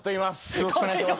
よろしくお願いします。